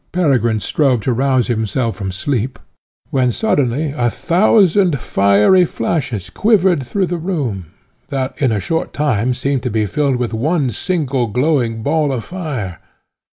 Peregrine strove to rouse himself from sleep, when suddenly a thousand fiery flashes quivered through the room, that in a short time seemed to be filled by one single glowing ball of fire.